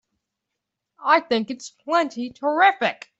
I think it's plenty terrific!